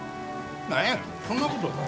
何やねんそんなことか。